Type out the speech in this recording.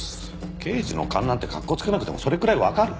刑事の勘なんてかっこつけなくてもそれくらいわかる。